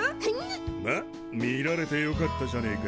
まっ見られてよかったじゃねえか。